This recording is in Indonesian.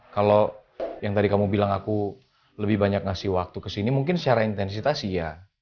kalau yang tadi kamu bilang aku lebih banyak ngasih waktu kesini mungkin secara intensitas iya